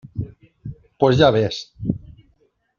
pues ya ves.